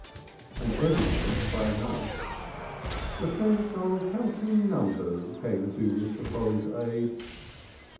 and everyone sprang up. The sense of helping numbers came to Mr. Polly's aid.